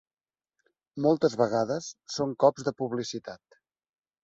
Moltes vegades són cops de publicitat.